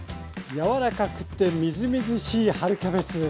柔らかくてみずみずしい春キャベツ。